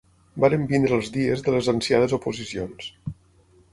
Varen venir els dies de les ansiades oposicions.